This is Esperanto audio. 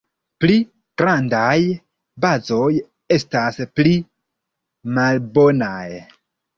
Pli grandaj bazoj estas pli malbonaj.